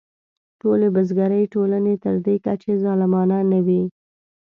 ټولې بزګري ټولنې تر دې کچې ظالمانه نه وې.